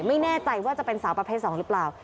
ไม่แน่ใจว่าจะเป็นสาวประเภท๒หรือเปล่า